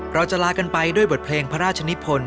เราจะลากันไปด้วยบทเพลงพระราชนิพล